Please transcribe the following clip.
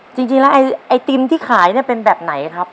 จริงแล้วไอติมที่ขายเนี่ยเป็นแบบไหนครับ